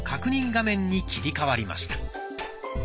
画面に切り替わりました。